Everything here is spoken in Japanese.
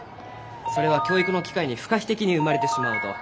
それは教育の機会に不可避的に生まれてしまう音。